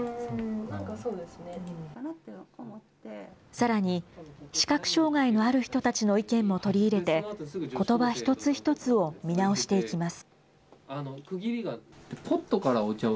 さらに、視覚障害のある人たちの意見も取り入れて、ことば一つ一つを見直していきます。